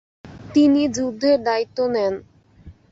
তিনি যুদ্ধের দায়িত্ব নেন।